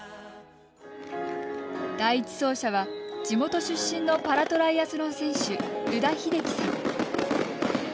第１走者は、地元出身のパラトライアスロン選手宇田秀生さん。